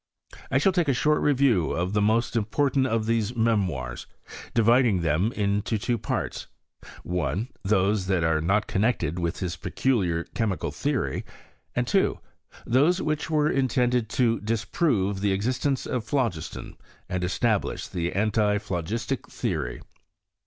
1 shall take a short review of the most important of these me moirs, dividing them into two parts : I. Those that are not connected with his peculiar chemical theory; II. Those which were intended to disprove the ex istence of phlogiston, and establish the anti phlo gistic theory.